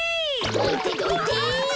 どいてどいて！